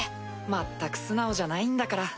まったく素直じゃないんだから。